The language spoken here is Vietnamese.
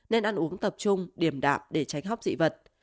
nên ăn uống tập trung điểm đạm để tránh hóc dị vật